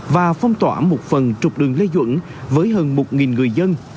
và phong tỏa một phần trục đường lê duẩn với hơn một người dân